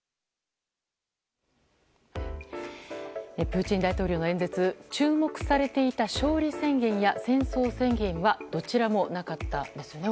プーチン大統領の演説注目されていた勝利宣言や戦争宣言はどちらもなかったんですよね